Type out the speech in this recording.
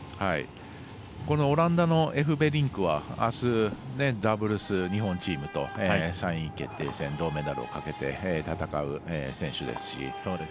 オランダのエフベリンクはダブルス日本チームと３位決定戦銅メダルをかけて戦う選手ですし。